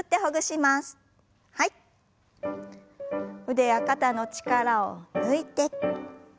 腕や肩の力を抜いて。